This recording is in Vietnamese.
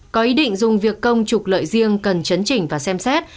có ý định dùng việc công trục lợi riêng cần chấn chỉnh và xem xét